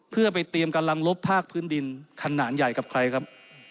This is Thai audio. เพื่อไปเตรียมกำลังลบภาคพื้นดินขนาดใหญ่กับใครครับ